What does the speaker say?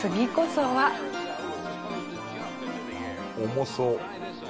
重そう。